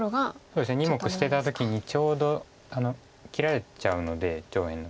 そうですね２目捨てた時にちょうど切られちゃうので上辺。